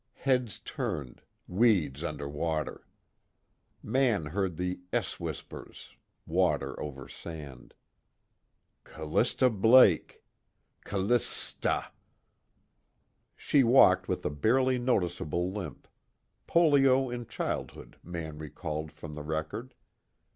Heads turned, weeds under water. Mann heard the s whispers, water over sand: Callista Blake Callissssta ... She walked with a barely noticeable limp polio in childhood, Mann recalled from the record.